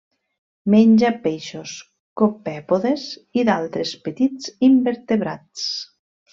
Menja peixos, copèpodes i d'altres petits invertebrats.